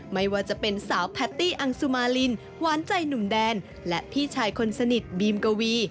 ไม่ว่าจะเป็นสาวแพตตี้อังสุมารินหวานใจหนุ่มแดนและพี่ชายคนสนิทบีมกวี